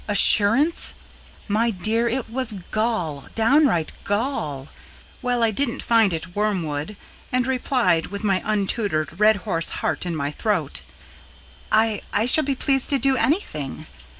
Assurance? My dear, it was gall, downright GALL! Well, I didn't find it wormwood, and replied, with my untutored Redhorse heart in my throat: "I I shall be pleased to do ANYTHING."